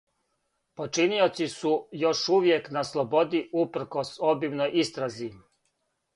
Починиоци су још увијек на слободи, упркос обимној истрази.